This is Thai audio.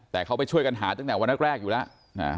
แต่เขาไปช่วยกันหาตั้งแต่วันแรกอยู่แล้ว